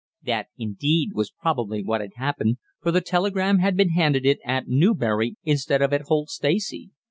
That, indeed, was probably what had happened, for the telegram had been handed it at Newbury instead of at Holt Stacey.